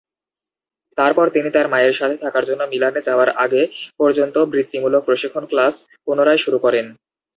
তারপরে তিনি তার মায়ের সাথে থাকার জন্য মিলানে যাওয়ার আগে পর্যন্ত বৃত্তিমূলক প্রশিক্ষণ ক্লাস পুনরায় শুরু করেন।